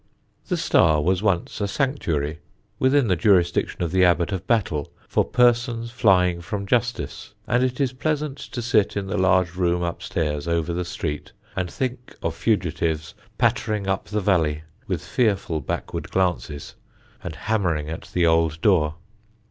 The "Star" was once a sanctuary, within the jurisdiction of the Abbot of Battle, for persons flying from justice; and it is pleasant to sit in the large room upstairs, over the street, and think of fugitives pattering up the valley, with fearful backward glances, and hammering at the old door.